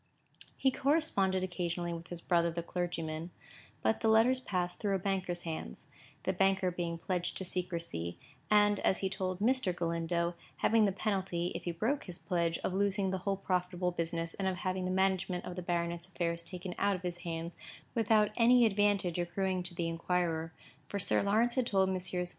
He corresponded occasionally with his brother the clergyman; but the letters passed through a banker's hands; the banker being pledged to secrecy, and, as he told Mr. Galindo, having the penalty, if he broke his pledge, of losing the whole profitable business, and of having the management of the baronet's affairs taken out of his hands, without any advantage accruing to the inquirer, for Sir Lawrence had told Messrs.